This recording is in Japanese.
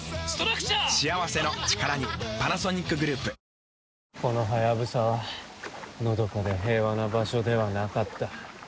三馬：このハヤブサは、のどかで平和な場所ではなかった。